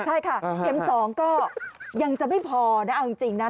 ใช่ค่ะเข็ม๒ก็ยังจะไม่พอนะเอาจริงนะ